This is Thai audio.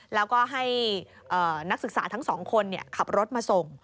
แล้วก็ให้นักศึกษาทั้งสองคนขับรถมาส่ง